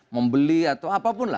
membeli atau apapun lah